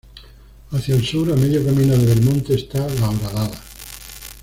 Hacia el Sur, a medio camino de Belmonte, está la Horadada.